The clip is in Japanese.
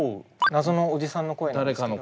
謎のおじさんの声なんですけど。